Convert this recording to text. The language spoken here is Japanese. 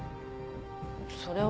それは。